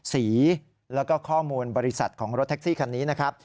สีแล้วก็ข้อมูลบริษัทของรถแท็กซี่คันนี้นะครับ